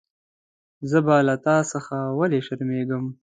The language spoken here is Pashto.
زه به له تا څخه ویلي شرمېږم.